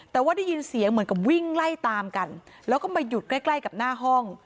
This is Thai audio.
แต่ว่าได้ยินเสียงเหมือนกับวิ่งไล่ตามกันแล้วก็มาหยุดใกล้ใกล้กับหน้าห้อง